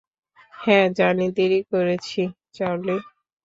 হ্যাঁ জানি দেরি করেছি, চার্লি।